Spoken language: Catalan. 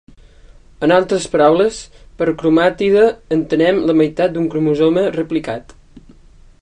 En altres paraules, per cromàtide entenem la meitat d'un cromosoma replicat.